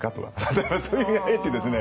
だからそれで入ってですね